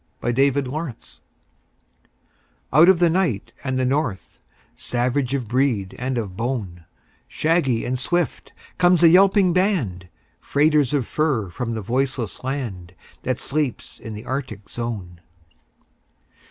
THE TRAIN DOGS Out of the night and the north; Savage of breed and of bone, Shaggy and swift comes the yelping band, Freighters of fur from the voiceless land That sleeps in the Arctic zone.